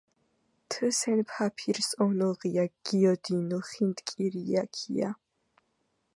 თ სენ ფაფირს ონოღია გიოდინუ ხინტკირიაქია."